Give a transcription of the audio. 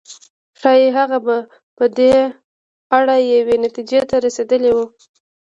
ښايي هغه به په دې اړه یوې نتيجې ته رسېدلی و.